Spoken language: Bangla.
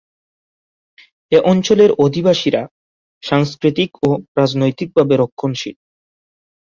এ অঞ্চলের অধিবাসীরা সাংস্কৃতিক ও রাজনৈতিকভাবে রক্ষণশীল।